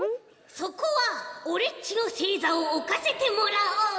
そこはオレっちのせいざをおかせてもらおう！